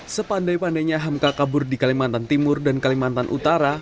sepandai pandainya hamka kabur di kalimantan timur dan kalimantan utara